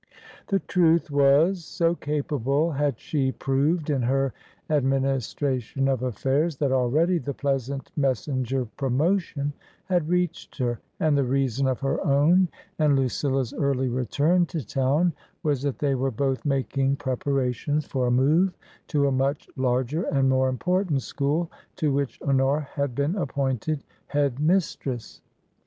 The truth was, so capable had she proved in her ad ministration of affairs that already the pleasant mes senger Promotion had reached her, and the reason of her own and Lucilla's early return to town was that they \\ TRANSITION. 229 were both making preparations for a move to a much larger and more important school to which Honora had been appointed Head mistress.